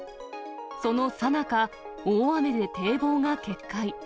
そのさなか、大雨で堤防が決壊。